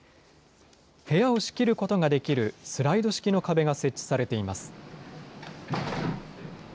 部屋を仕切ることができるスライド式の壁が設置されています。